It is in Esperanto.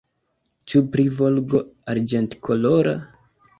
Ĉu pri Volgo arĝentkolora?